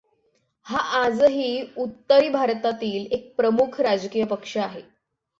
हा आजही उत्तरी भारतातील एक प्रमुख राजकीय पक्ष आहे.